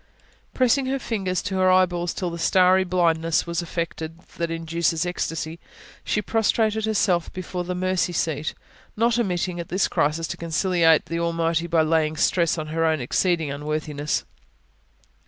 Pressing her fingers to her eyeballs till the starry blindness was effected that induces ecstasy, she prostrated herself before the mercy seat, not omitting, at this crisis, to conciliate the Almighty by laying stress on her own exceeding unworthiness.